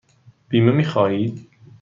بیمه می خواهید؟